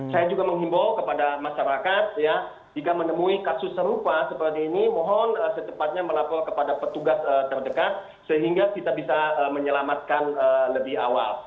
saya juga menghimbau kepada masyarakat jika menemui kasus serupa seperti ini mohon secepatnya melapor kepada petugas terdekat sehingga kita bisa menyelamatkan lebih awal